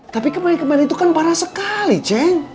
tapi kemarin kemarin itu kan parah sekali ceng